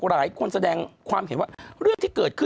หลายคนแสดงความเห็นว่าเรื่องที่เกิดขึ้น